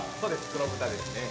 黒豚ですね。